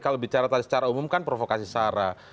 kalau bicara tadi secara umum kan provokasi sarah